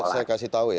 jadi saya kasih tahu ya